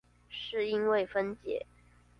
是因為分解